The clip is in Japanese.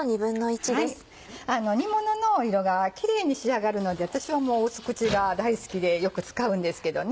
煮もの色がキレイに仕上がるので私は淡口が大好きでよく使うんですけどね。